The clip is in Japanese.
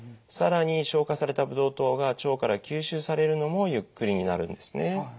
更に消化されたブドウ糖が腸から吸収されるのもゆっくりになるんですね。